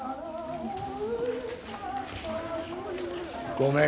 ごめん。